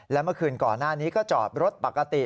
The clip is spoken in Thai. และเมื่อคืนก่อนหน้านี้ก็จอดรถปกติ